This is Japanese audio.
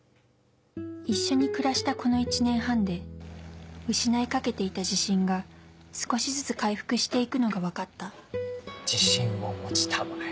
一緒に暮らしたこの１年半で失いかけていた自信が少しずつ回復して行くのが分かった自信を持ちたまえ。